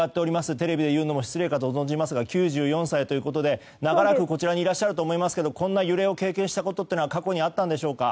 テレビでいうのも失礼かと思いますが９４歳ということで長らくこちらにいらっしゃると思いますがこんな揺れを経験したことは過去にあったんでしょうか？